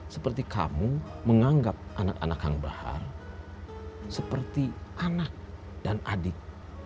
seperti kamu menganggap anak anak yang bahar seperti anak dan adik